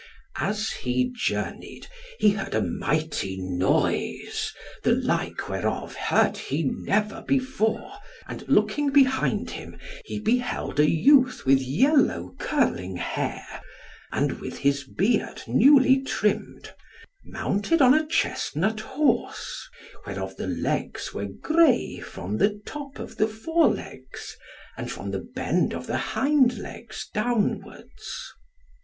As he journeyed, he heard a mighty noise, the like whereof heard he never before; and looking behind him, he beheld a youth with yellow curling hair, and with his beard newly trimmed, mounted on a chesnut horse, whereof the legs were grey from the top of the forelegs, and from the bend of the hindlegs downwards.